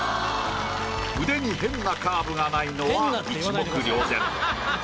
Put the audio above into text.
腕に変なカーブがないのは一目瞭然。